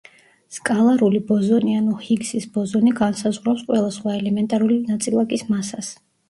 სკალარული ბოზონი ანუ ჰიგსის ბოზონი განსაზღვრავს ყველა სხვა ელემენტარული ნაწილაკის მასას.